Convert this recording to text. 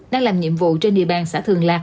đang làm nhiệm vụ trên địa bàn xã thường lạc